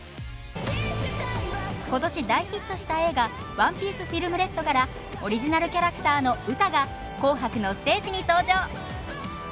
今年大ヒットした映画「ＯＮＥＰＩＥＣＥＦＩＬＭＲＥＤ」からオリジナルキャラクターのウタが「紅白」のステージに登場。